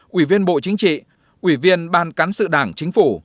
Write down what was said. quỷ viên bộ chính trị ủy viên ban cán sự đảng chính phủ